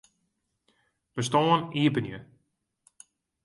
Bestân iepenje.